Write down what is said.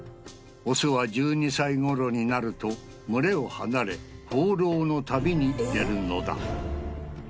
オスは１２歳頃になると群れを離れ放浪の旅に出るのだ